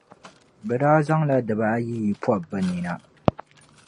Bɛ daa zaŋla diba ayiyi pɔb’ bɛ nina.